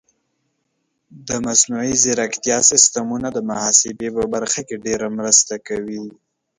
د مصنوعي ځیرکتیا سیستمونه د محاسبې په برخه کې ډېره مرسته کوي.